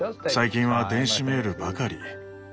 最近は電子メールばかり。